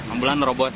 ambulans nero bos ya